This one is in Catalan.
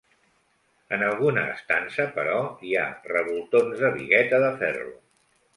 En alguna estança però hi ha revoltons de bigueta de ferro.